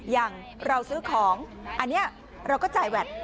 อย่างเราซื้อของเราก็จ่ายแวด